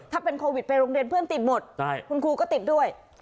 ถ้าเป็นโควิดไปโรงเรียนเพื่อนติดหมดคุณครูก็ติดด้วย